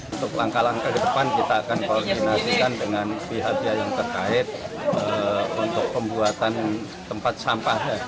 untuk langkah langkah ke depan kita akan koordinasikan dengan pihak pihak yang terkait untuk pembuatan tempat sampahnya